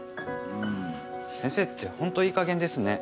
先生ってホントいいかげんですね。